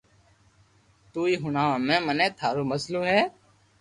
توئي ھڻاو ھمي مني ٿارو مئسلو ھي